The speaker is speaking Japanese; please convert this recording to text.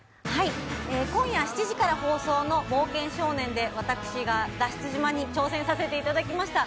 今夜７時から放送の「冒険少年」で私が私が脱出島に挑戦させていただきました。